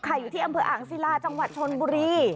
อยู่ที่อำเภออ่างศิลาจังหวัดชนบุรี